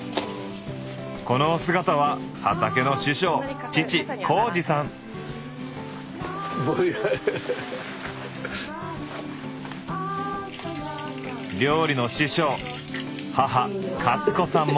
このお姿は料理の師匠母・カツ子さんも。